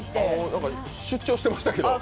なんか出張してましたけど。